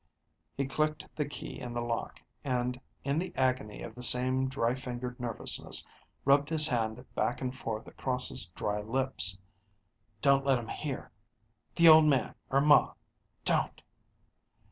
He clicked the key in the lock, and in the agony of the same dry fingered nervousness rubbed his hand back and forth across his dry lips. "Don't let 'em hear the old man or ma don't!"